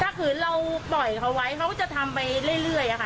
ถ้าขืนเราปล่อยเขาไว้เขาก็จะทำไปเรื่อยค่ะ